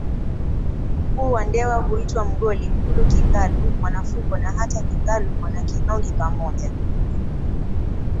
Mkuu wa Wandewa huitwa Mgoli MkuluKingalu MwanaFuko na hata KingaluMwanakinoge pamoja